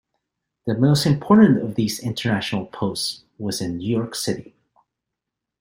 The most important of these international posts was in New York City.